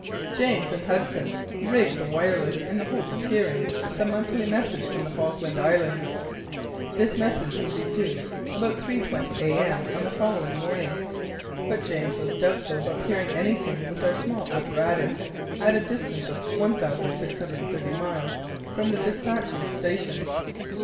James and Hudson rigged the wireless in the hope of hearing the monthly message from the Falkland Islands. This message would be due about 3.20 a.m. on the following morning, but James was doubtful about hearing anything with our small apparatus at a distance of 1630 miles from the dispatching station.